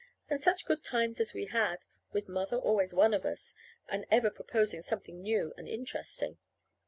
And such good times as we had, with Mother always one of us, and ever proposing something new and interesting!